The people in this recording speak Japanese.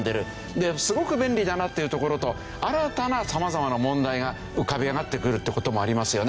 ですごく便利だなっていうところと新たな様々な問題が浮かび上がってくるって事もありますよね。